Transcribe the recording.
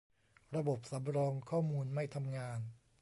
ระบบสำรองข้อมูลไม่ทำงาน